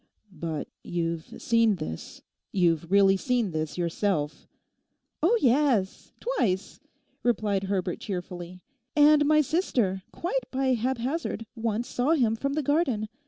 'But you've seen this—you've really seen this yourself?' 'Oh yes, twice,' replied Herbert cheerfully. 'And my sister, quite by haphazard, once saw him from the garden.